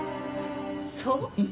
そう？